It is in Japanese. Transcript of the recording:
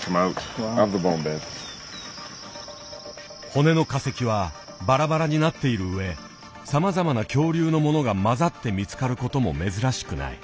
骨の化石はバラバラになっている上さまざまな恐竜のものが混ざって見つかる事も珍しくない。